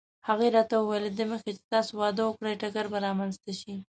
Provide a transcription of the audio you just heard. هغې راته وویل: له دې مخکې چې تاسې واده وکړئ ټکر به رامنځته شي.